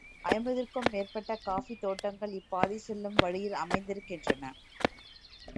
ஐம்பதுக்கு மேற்பட்ட காஃபித் தோட்டங்கள் இப்பாதை செல்லும் வழியில் அமைந்திருக்கின்றன.